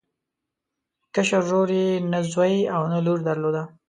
کشر ورور یې نه زوی او نه لور درلوده.